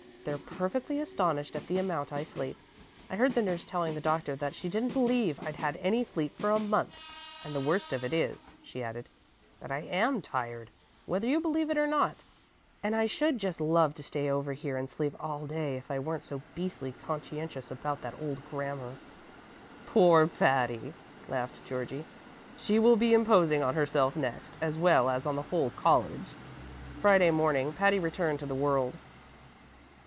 They're perfectly astonished at the amount I sleep. I heard the nurse telling the doctor that she didn't believe I'd had any sleep for a month. And the worst of it is," she added, "that I am tired, whether you believe it or not, and I should just love to stay over here and sleep all day if I weren't so beastly conscientious about that old grammar." "Poor Patty!" laughed Georgie. "She will be imposing on herself next, as well as on the whole college." Friday morning Patty returned to the world.